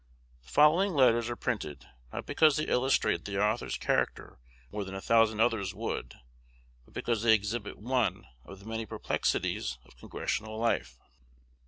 The following letters are printed, not because they illustrate the author's character more than a thousand others would, but because they exhibit one of the many perplexities of Congressional life.